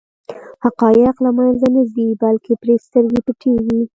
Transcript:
حقایق له منځه نه ځي بلکې پرې سترګې پټېږي.